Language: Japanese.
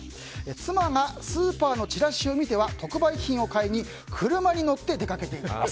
妻がスーパーのチラシを見ては特売品を買いに車に乗って出かけていきます。